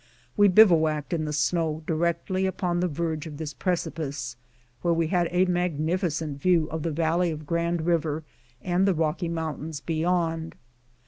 We bivouacked in the snow directly upon the verge of this precipice, where we had a magnificent view of the val ley of Grand River and the Rocky Mountains beyond.